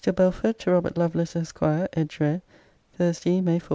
BELFORD, TO ROBERT LOVELACE, ESQ. EDGEWARE, THURSDAY, MAY 4.